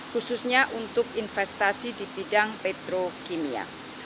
khususnya untuk investasi di bidang petro kimia